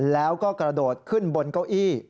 แล้วก็กระโดดขึ้นบนเก้าอี้